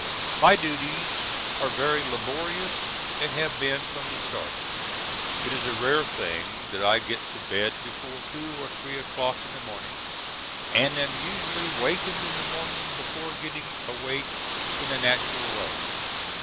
My duties are very laborious and have been from the start. It is a rare thing that I get to bed before two or three o'clock in the morning and am usually wakened in the morning before getting awake in a natural way.